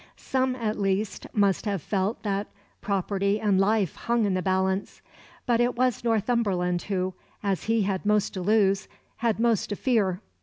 Some at least must have felt that property and life hung in the balance. But it was Northumberland who, as he had most to lose, had most to fear.